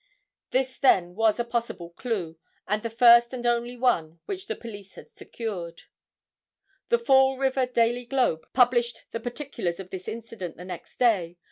This then was a possible clue and the first and only one which the police had secured. The Fall River Daily Globe published the particulars of this incident the next day.